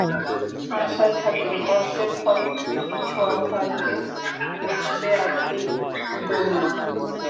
আশায় থাকেন, কষ্টের ফলন থেকে কিছু অর্থ আসবে, ঘুচবে আর্থিক দৈন্য।